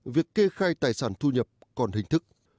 việc kê khai tài sản thu nhập còn hình thức